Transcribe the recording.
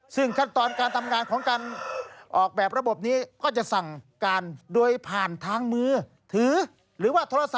ซึ่งขั้นตอนการทำงานของการออกแบบระบบนี้ก็จะสั่งการโดยผ่านทางมือถือหรือว่าโทรศัพ